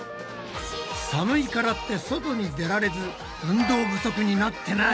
寒いからって外に出られず運動不足になってない？